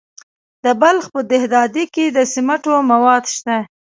د بلخ په دهدادي کې د سمنټو مواد شته.